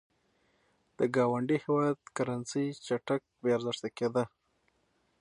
د ګاونډي هېواد کرنسي چټک بې ارزښته کېده.